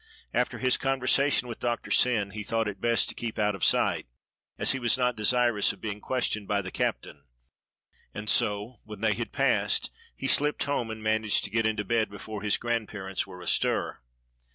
After his conversation with Doctor Syn he thought it best to keep out of sight, as he was not desirous of being 76 DOCTOR SYN questioned by the captain, and so, when they had passed, he slipped home and managed to get into bed before his grandparents were astir.